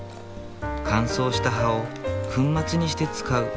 乾燥した葉を粉末にして使う。